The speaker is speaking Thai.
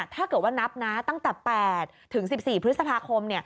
ถ้าเกิดว่านับนะตั้งแต่๘ถึง๑๔พฤษภาคม